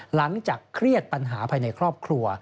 หลังจากเครียดปัญหาภายในครอบครัว